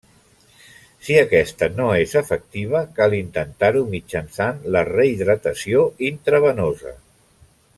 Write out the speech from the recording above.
Si aquesta no és efectiva, cal intentar-ho mitjançant la rehidratació intravenosa.